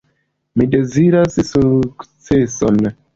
Mi deziras sukceson.